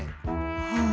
はあ。